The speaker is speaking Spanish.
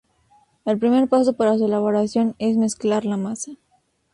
El primer paso para su elaboración es mezclar la masa.